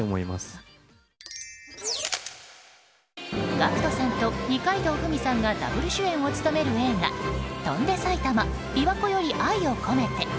ＧＡＣＫＴさんと二階堂ふみさんがダブル主演を務める映画「翔んで埼玉琵琶湖より愛をこめて」。